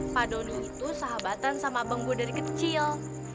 pak doni itu sahabatan sama abang gue dari kecil